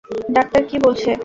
Doctor কী বলছে?